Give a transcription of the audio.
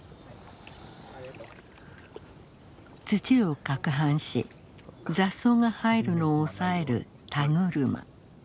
土をかくはんし雑草が生えるのを抑える田車。